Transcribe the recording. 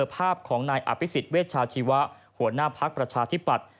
ภาพของนายอภิษฎเวชาชีวะหัวหน้าภักดิ์ประชาธิปัตย